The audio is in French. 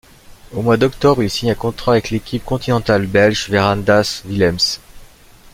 Au mois d'octobre il signe un contrat avec l'équipe continentale belge Verandas Willems.